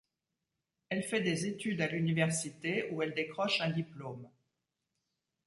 Elle fait des études à l'université où elle décroche un diplôme.